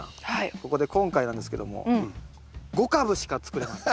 ここで今回なんですけども５株しか作れません。